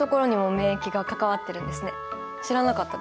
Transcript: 知らなかったです。